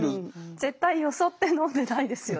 絶対よそって飲んでないですよね。